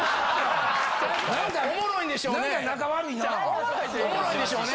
おもろいんでしょうね？